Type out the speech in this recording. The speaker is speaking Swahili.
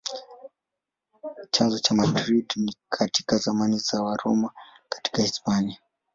Chanzo cha Madrid ni katika zamani za Waroma katika Hispania.